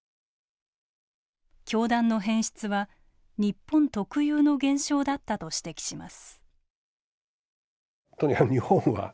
教団の変質は日本特有の現象だったと指摘します。